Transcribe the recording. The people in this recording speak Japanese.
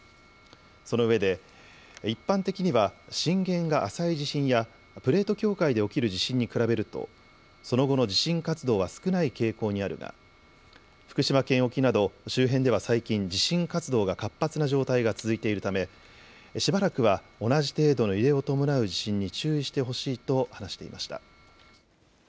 そのうえで、一般的には震源が浅い地震やプレート境界で起きる地震に比べるとその後の地震活動は少ない傾向にあるが福島県沖など周辺では最近、地震活動が活発な状態が続いているためしばらくは同じ程度の揺れを伴う地震に注意してほしいと話していました。